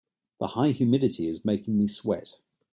The high humidity is making me sweat.